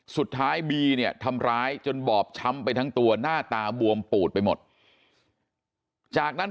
สุดท้ายบีเนี่ยทำร้ายจนบอบช้ำไปทั้งตัวหน้าตาบวมปูดไปหมดจากนั้น